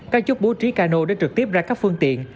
các chốt bố trí cano để trực tiếp ra các phương tiện